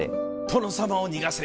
「殿様を逃がせ！」